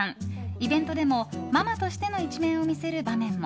イベントでもママとしての一面を見せる場面も。